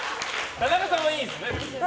田中さんはいいんですね、別に。